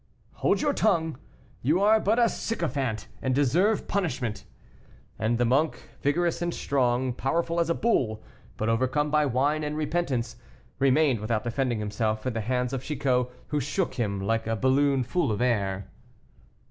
"Hold your tongue; you are but a sycophant, and deserve punishment." And the monk, vigorous and strong, powerful as a bull, but overcome by wine and repentance, remained without defending himself in the hands of Chicot, who shook him like a balloon full of air.